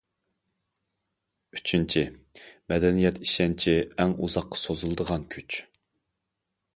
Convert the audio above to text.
ئۈچىنچى، مەدەنىيەت ئىشەنچى ئەڭ ئۇزاققا سوزۇلىدىغان كۈچ.